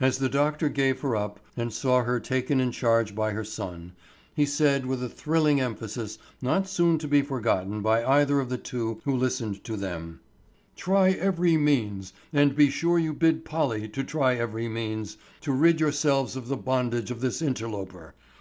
As the doctor gave her up and saw her taken in charge by her son, he said with a thrilling emphasis not soon to be forgotten by either of the two who listened to them: "Try every means, and be sure you bid Polly to try every means, to rid yourselves of the bondage of this interloper.